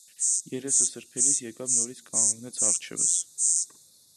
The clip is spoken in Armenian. Երեսը սրբելիս եկավ նորից կանգնեց առջևս: